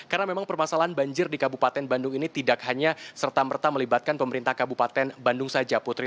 karena memang permasalahan banjir di kabupaten bandung ini tidak hanya serta merta melibatkan pemerintah kabupaten bandung saja putri